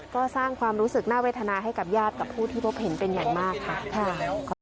ก็สร้างความรู้สึกน่าเวทนาให้กับญาติกับผู้ที่พบเห็นเป็นอย่างมากค่ะ